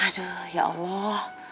aduh ya allah